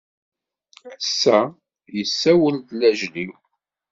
Ass-a yessawel-d lajel-iw.